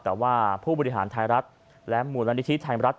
แต่ว่าผู้บริหารไทยรัฐและมูลนิธิไทยรัฐ